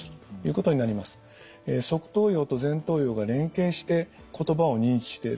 側頭葉と前頭葉が連携して言葉を認知している。